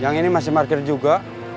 yang ini masih parkir juga